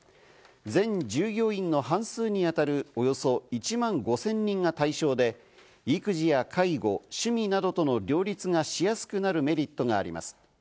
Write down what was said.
全従業員の半数にあたるおよそ１万５０００人が対象で、育児や介護、趣味などとの両立がしやすくなるメリットがあります。